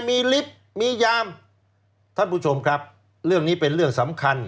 มีลิฟต์มียามท่านผู้ชมครับเรื่องนี้เป็นเรื่องสำคัญ